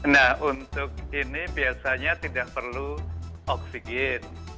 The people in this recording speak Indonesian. nah untuk ini biasanya tidak perlu oksigen